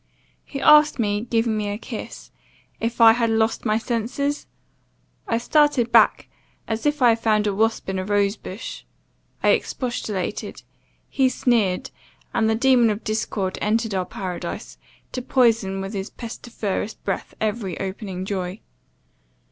He asked me, giving me a kiss, 'If I had lost my senses?' I started back, as if I had found a wasp in a rose bush. I expostulated. He sneered: and the demon of discord entered our paradise, to poison with his pestiferous breath every opening joy.